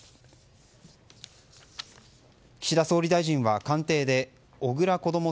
岸田総理大臣は官邸で小倉こども